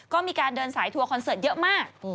ก็มีการเดินสายทัวร์คอนเสิร์ตเยอะมาก